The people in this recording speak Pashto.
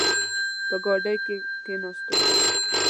په ګاډۍ کې کښېناستلو.